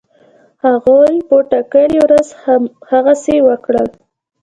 هغوی په ټاکلې ورځ هغسی وکړل.